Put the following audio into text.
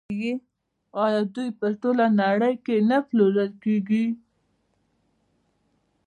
آیا دوی په ټوله نړۍ کې نه پلورل کیږي؟